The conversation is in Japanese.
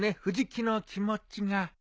藤木の気持ちが。